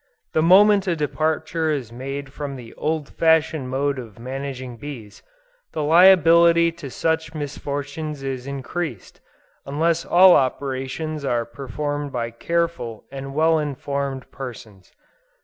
The moment a departure is made from the old fashioned mode of managing bees, the liability to such misfortunes is increased, unless all operations are performed by careful and well informed persons.